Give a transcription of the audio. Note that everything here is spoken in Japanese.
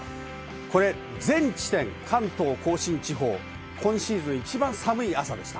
全地点、関東甲信地方、今シーズン、一番寒い朝でした。